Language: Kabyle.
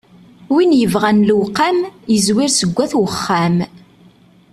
Win yebɣan lewqam, yezwir seg at wexxam.